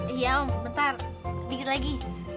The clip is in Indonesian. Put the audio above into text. iya om bentar dikit lagi